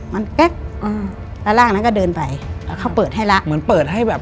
มันแก๊กอืมแล้วร่างนั้นก็เดินไปแล้วเขาเปิดให้ละเหมือนเปิดให้แบบ